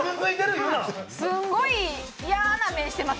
すんごい、嫌な目してます